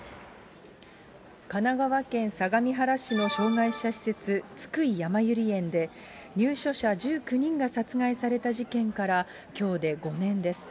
神奈川県相模原市の障害者施設、津久井やまゆり園で、入所者１９人が殺害された事件からきょうで５年です。